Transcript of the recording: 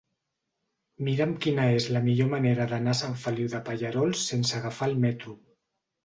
Mira'm quina és la millor manera d'anar a Sant Feliu de Pallerols sense agafar el metro.